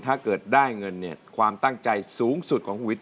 ถ้าเกิดได้เงินเนี่ยความตั้งใจสูงสุดของคุณวิท